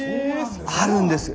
あるんです。